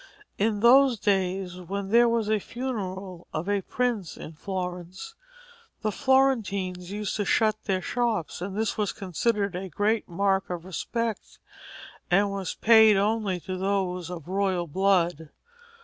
In those days when there was a funeral of a prince in Florence, the Florentines used to shut their shops, and this was considered a great mark of respect, and was paid only to those of royal blood.